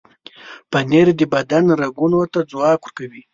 پنېر د بدن رګونو ته ځواک ورکوي.